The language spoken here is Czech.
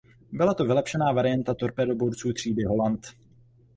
Byla to vylepšená varianta torpédoborců třídy "Holland".